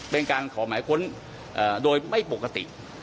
เป็นการขอหมายค้นโดยไม่ปกติ